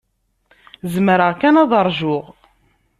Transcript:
Zemreɣ kan ad ṛjuɣ.